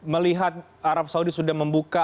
melihat arab saudi sudah membuka